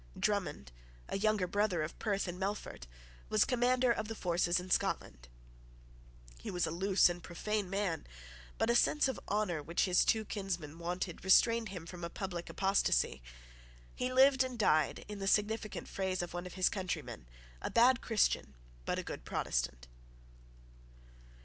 Drummond, a younger brother of Perth and Melfort, was commander of the forces in Scotland. He was a loose and profane man: but a sense of honour which his two kinsmen wanted restrained him from a public apostasy. He lived and died, in the significant phrase of one of his countrymen, a bad Christian, but a good Protestant.